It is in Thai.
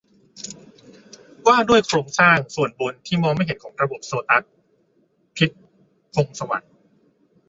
ว่าด้วยโครงสร้างส่วนบนที่มองไม่เห็นของระบบโซตัส - พิชญ์ พงษ์สวัสดิ์